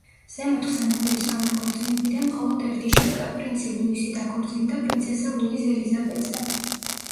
ზემოთ ხსენებული სამი ქორწინებიდან მხოლოდ ერთი შედგა: პრინცი ლუისი დაქორწინდა პრინცესა ლუიზ ელიზაბეტზე.